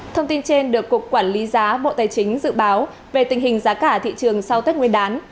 thông tin trên được cục quản lý giá bộ tài chính dự báo về tình hình giá cả thị trường sau tết nguyên đán